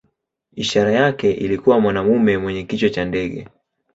Ishara yake ilikuwa mwanamume mwenye kichwa cha ndege.